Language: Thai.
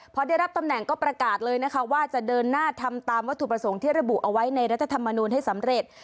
พอได้รับตำแหน่งก็ประกาศเลยนะคะว่าจะเดินหน้าทำตามวัตถุประสงค์ที่ระบุเอาไว้ในรัฐธรรมนูลให้สำเร็จ